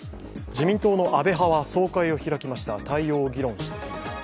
自民党の安倍派は総会を開きました、対応を議論しています。